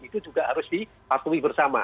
itu juga harus dipatuhi bersama